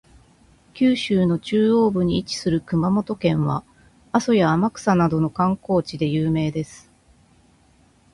九州の中央部に位置する熊本県は、阿蘇や天草などの観光地で有名です。